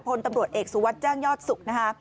ผลตำรวจเอกสุวัตย์แจ้งยอดสุข